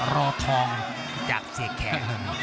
รอทองจากเสคแครก